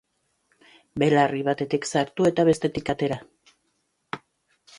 Belarri batetik sartu eta bestetik atera.